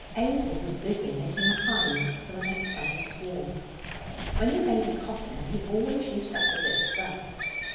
Abel was busy making a hive for the next summer's swarm. When he made a coffin, he always used up the bits thus.